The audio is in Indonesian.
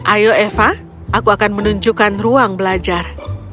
ayo eva aku akan menunjukkan ruang belajar